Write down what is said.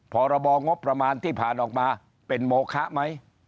พรบงบประมาณที่ผ่านมาเป็นโมคะไหม